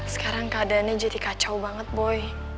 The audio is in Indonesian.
sekarang keadaannya jadi kacau banget boy